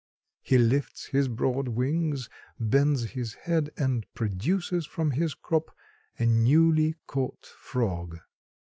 He lifts his broad wings, bends his head, and produces from his crop a newly caught frog.